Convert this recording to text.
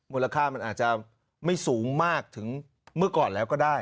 มูลค่ามันอาจจะไม่สูงมากถึงเมื่อก่อนแล้วก็ได้